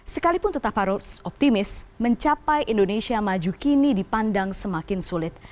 sekalipun tetap harus optimis mencapai indonesia maju kini dipandang semakin sulit